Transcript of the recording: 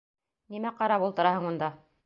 Нимә ҡарап ултыраһың унда?